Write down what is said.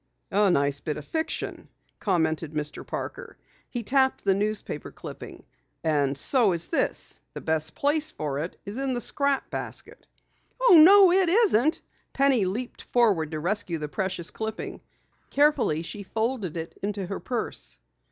"A nice bit of fiction," commented Mr. Parker. He tapped the newspaper clipping. "And so is this. The best place for it is in the scrap basket." "Oh, no, it isn't!" Penny leaped forward to rescue the precious clipping. Carefully she folded it into her purse.